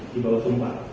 di bawah sumpah